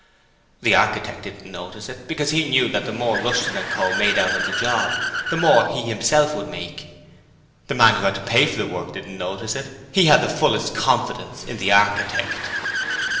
The architect didn't notice it, because he knew that the more Rushton & Co. made out of the 'job', the more he himself would make. The man who had to pay for the work didn't notice it; he had the fullest confidence in the architect.